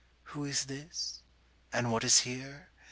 Who is this? and what is here?